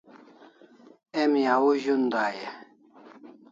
Emi au zun dai e ?